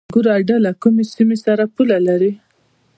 انګور اډه له کومې سیمې سره پوله لري؟